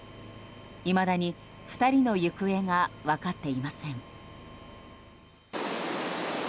いまだに２人の行方が分かっていません。